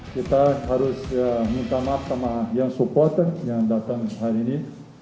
kita harus minta maaf sama yang supporter yang datang hari ini